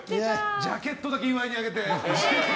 ジャケットだけ岩井にあげて。